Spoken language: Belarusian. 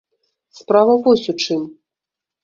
Справа вось у чым.